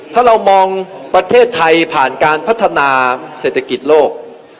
ถ้าเรามองประเทศไทยผ่านการพัฒนาเศรษฐกิจโลก